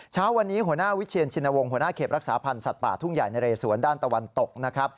เช้าวันนี้หัวหน้าวิเชียนชินวงศ์หัวหน้าเขตรักษาพันธ์สัตว์ป่าทุ่งใหญ่นะเรสวนด้านตะวันตกนะครับ